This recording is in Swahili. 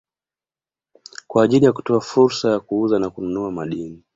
kwa ajili ya kutoa fursa ya kuuza na kununua madini